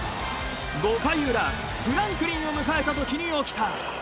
５回裏フランクリンを迎えたときに起きた。